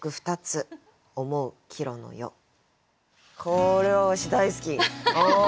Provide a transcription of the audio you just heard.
これはわし大好き。